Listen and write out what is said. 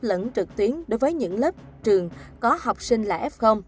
lẫn trực tuyến đối với những lớp trường có học sinh là f